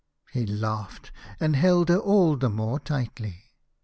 " He laughed, and held her all the more tightly.